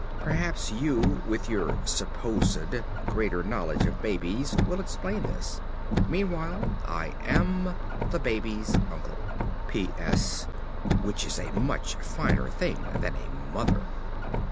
Perhaps you, with your (supposed) greater knowledge of babies, will explain this. Meanwhile, I am, ~The Baby's Uncle~. P. S. Which is a much finer thing than a mother.